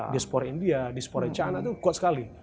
diaspornya india diaspornya china itu kuat sekali